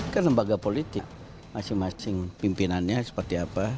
kan lembaga politik masing masing pimpinannya seperti apa